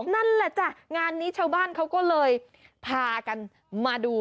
นั่นแหละจ้ะงานนี้ชาวบ้านเขาก็เลยพากันมาดู